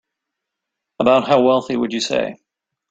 About how wealthy would you say?